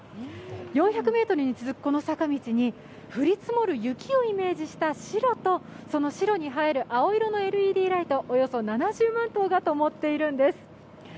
４００ｍに続く、この坂道に降り積もる雪をイメージした白と、その白に映える青色のＬＥＤライト、およそ７０万灯がともっているんです。